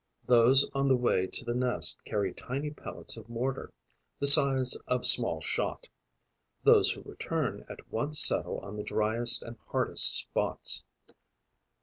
Those on the way to the nest carry tiny pellets of mortar, the size of small shot; those who return at once settle on the driest and hardest spots.